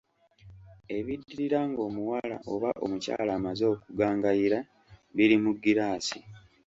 Ebiddirira ng'omuwala oba omukyala amaze okugangayira biri mu giraasi.